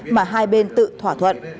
mà hai bên tự thỏa thuận